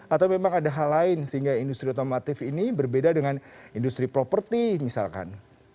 atau memang ada hal lain sehingga industri otomotif ini berbeda dengan industri properti misalkan